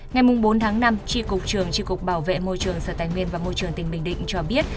ngày bốn tháng năm tri cục trường tri cục bảo vệ môi trường sở tài nguyên và môi trường tỉnh bình định cho biết